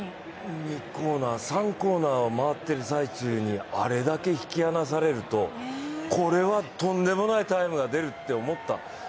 ３コーナーを回ってる最中にあれだけ引き離されると、これはとんでもないタイムが出ると思った。